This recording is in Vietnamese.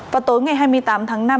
vào tối ngày hai mươi tám tháng